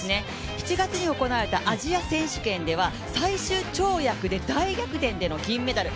７月に行われたアジア選手権では最終跳躍で大逆転での銀メダル。